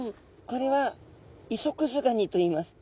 これはイソクズガニといいます。